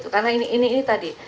karena ini tadi